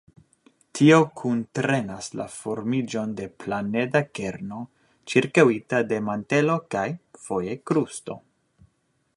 Tio kuntrenas la formiĝon de planeda kerno ĉirkaŭita de mantelo kaj, foje, krusto.